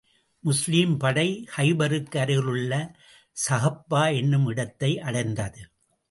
முஸ்லிம் படை, கைபருக்கு அருகிலுள்ள ஸஹ்பா என்னும் இடத்தை அடைந்தது.